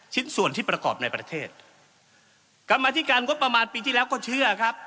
ชิ้นส่วนที่ประกอบในประเทศกรรมธิการงบประมาณปีที่แล้วก็เชื่อครับ